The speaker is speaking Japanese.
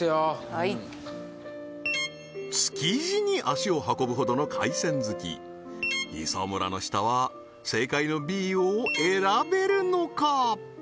はい築地に足を運ぶほどの海鮮好き磯村の舌は正解のＢを選べるのか？